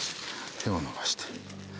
手を伸ばして。